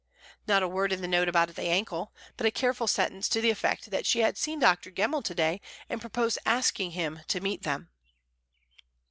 Not a word in the note about the ankle, but a careful sentence to the effect that she had seen Dr. Gemmell to day, and proposed asking him to meet them.